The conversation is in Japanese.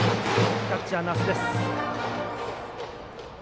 キャッチャー、奈須です。